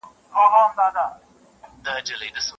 وايی خوب د لېونو دی